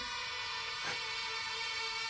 えっ？